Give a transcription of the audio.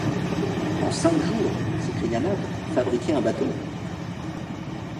En cinq jours, s’écria Nab, fabriquer un bateau